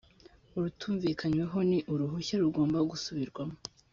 urutumvikanyweho ni uruhushya rugomba gusubirwamo